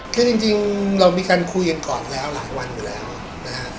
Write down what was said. คือจริงเรามีการคุยกันก่อนแล้วหลายวันอยู่แล้วนะฮะ